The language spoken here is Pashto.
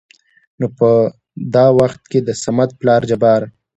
نو په د وخت کې دصمد پلار جبار